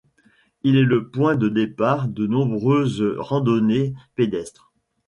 Il est le point de départ de nombreuses randonnées pédestres.